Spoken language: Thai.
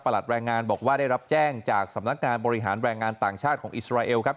แรงงานบอกว่าได้รับแจ้งจากสำนักงานบริหารแรงงานต่างชาติของอิสราเอลครับ